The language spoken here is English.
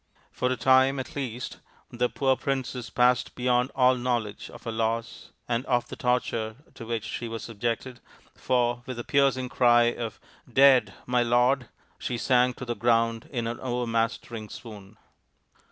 For a time, at least, the poor princess passed beyond all know ledge of her loss and of the torture to which she was subjected, for, with a piercing cry of " Dead ! My lord !" she sank to the ground in an overmaster ing swoon.